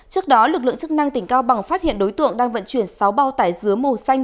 trước đó lực lượng chức năng tỉnh cao bằng phát hiện đối tượng đang vận chuyển sáu bao tải dứa màu xanh